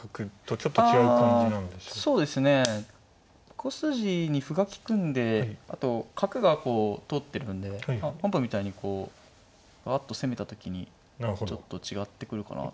５筋に歩が利くんであと角がこう通ってるんで本譜みたいにこうわっと攻めた時にちょっと違ってくるかなと。